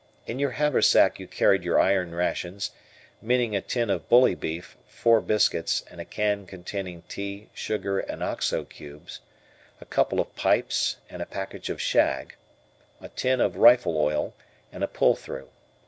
In your haversack you carry your iron rations, meaning a tin of bully beef, four biscuits, and a can containing tea, sugar, and Oxo cubes; a couple of pipes and a package of shag, a tin of rifle oil, and a pull through.